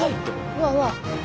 うわうわ。